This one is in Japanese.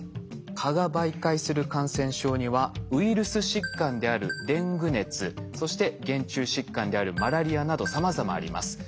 蚊が媒介する感染症にはウイルス疾患であるデング熱そして原虫疾患であるマラリアなどさまざまあります。